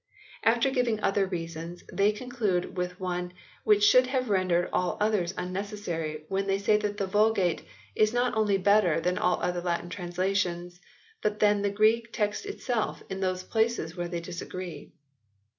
After giving other reasons they conclude with one which should have rendered all others un necessary when they say that the Vulgate "is not only better than all other Latin translations but than the Greek text itself in those places where they disagree."